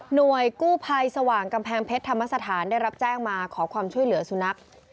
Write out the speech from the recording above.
กู้ภัยสว่างกำแพงเพชรธรรมสถานได้รับแจ้งมาขอความช่วยเหลือสุนัข